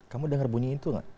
kamu dengar bunyi itu gak